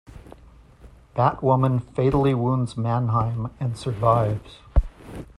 Batwoman fatally wounds Mannheim and survives.